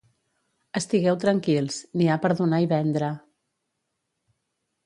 Estigueu tranquils: n'hi ha per donar i vendre.